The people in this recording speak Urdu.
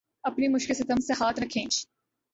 اپنی مشقِ ستم سے ہاتھ نہ کھینچ